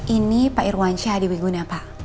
ini pak irwansyah di wibunapa